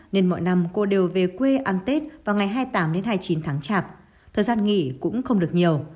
nên mọi năm cô đều về quê ăn tết vào ngày hai mươi tám hai mươi chín tháng chạp thời gian nghỉ cũng không được nhiều